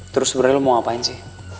terus sebenernya lo mau ngapain sih